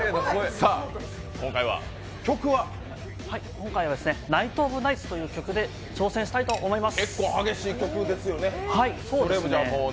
今回は「ナイト・オブ・ナイツ」という曲で挑戦したいと思います。